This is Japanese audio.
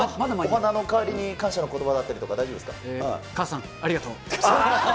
お花の代わりに感謝のことば母さん、ありがとう。